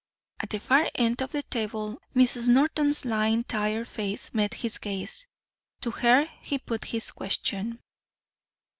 At the far end of the table Mrs. Norton's lined tired face met his gaze. To her he put his question.